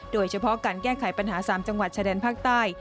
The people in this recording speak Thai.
โดยเฉพาะการแก้ไขปัญหา๓จังหวัดชายแดนภาคใต้